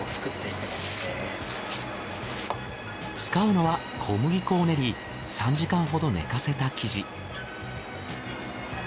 使うのは小麦粉を練り３時間ほど寝かせた生地。